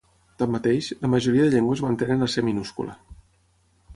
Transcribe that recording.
Tanmateix, la majoria de llengües mantenen la ce minúscula.